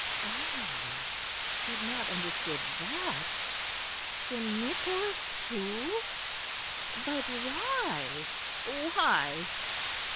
Oh! he had not understood that. Sir Nicholas too? But why, why?